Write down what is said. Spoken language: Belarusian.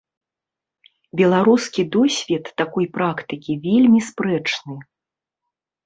Беларускі досвед такой практыкі вельмі спрэчны.